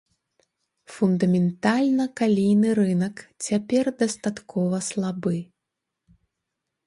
Фундаментальна калійны рынак цяпер дастаткова слабы.